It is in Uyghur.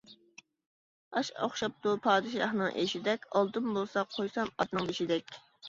ئاش ئوخشاپتۇ پادىشاھنىڭ ئېشىدەك، ئالتۇن بولسا قويسام ئاتنىڭ بېشىدەك.